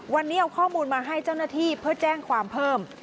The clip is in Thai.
วันนี้เอาข้อมูลมาให้เจ้าหน้าที่เพื่อแจ้งความเพิ่ม